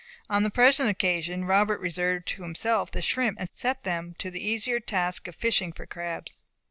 On the present occasion, Robert reserved to himself the shrimp, and set them to the easier task of fishing for crabs.